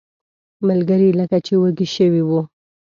ملګري لکه چې وږي شوي وو.